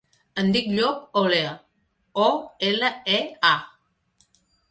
Em dic Llop Olea: o, ela, e, a.